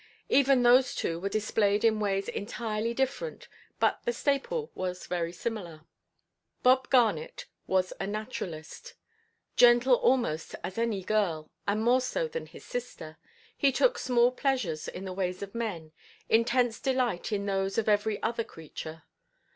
Even those two were displayed in ways entirely different, but the staple was very similar. Bob Garnet was a naturalist. Gentle almost as any girl, and more so than his sister, he took small pleasure in the ways of men, intense delight in those of every other creature.